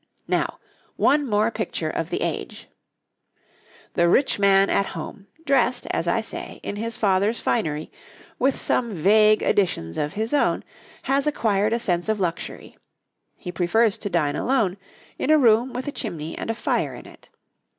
Now, one more picture of the age. The rich man at home, dressed, as I say, in his father's finery, with some vague additions of his own, has acquired a sense of luxury. He prefers to dine alone, in a room with a chimney and a fire in it.